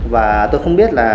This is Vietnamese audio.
và tôi không biết là